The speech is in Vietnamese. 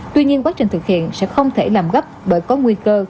tuy nhiên quá trình thực hiện sẽ không thể làm gấp bởi có nguy cơ